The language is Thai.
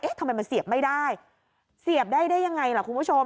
ทำไมมันเสียบไม่ได้เสียบได้ได้ยังไงล่ะคุณผู้ชม